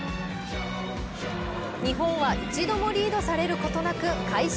日本は一度もリードされることなく快勝。